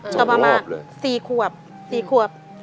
ตอนมามา๔ขวบ